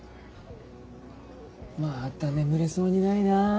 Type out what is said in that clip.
また眠れそうにないな。